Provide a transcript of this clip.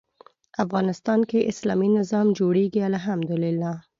افغانستان کې اسلامي نظام جوړېږي الحمد لله.